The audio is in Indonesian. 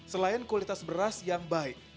selain kualitas beras yang baik